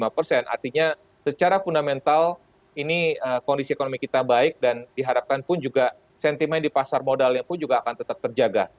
artinya secara fundamental ini kondisi ekonomi kita baik dan diharapkan pun juga sentimen di pasar modalnya pun juga akan tetap terjaga